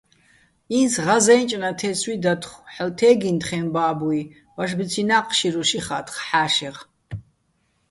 ი́ნც ღაზე́ნჭ ნათე́სვი დათხო̆, ჰ̦ალო̆ თე́გიჼ თხეჼ ბა́ბუჲ, ვაშბიცინა́ ჴშირუშ იხათხ ჰ̦ა́შეღ.